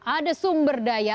ada sumber daya